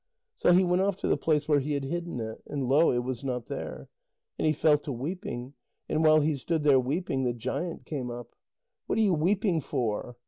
So he went off to the place where he had hidden it, and lo! it was not there. And he fell to weeping, and while he stood there weeping, the giant came up. "What are you weeping for?"